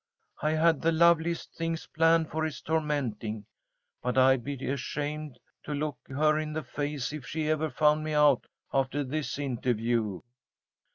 I had the loveliest things planned for his tormenting, but I'd be ashamed to look her in the face if she ever found me out after this interview.